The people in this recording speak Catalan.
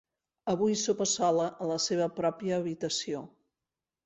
Avui sopa sola a la seva pròpia habitació.